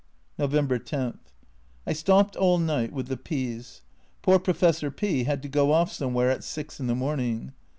November 10. I stopped all night with the P s. Poor Professor P had to go off some where at 6 in the morning.